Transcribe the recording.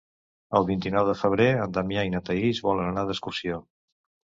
El vint-i-nou de febrer en Damià i na Thaís volen anar d'excursió.